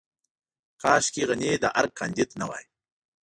کاشکې غني د ارګ کانديد نه وای.